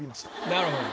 なるほど。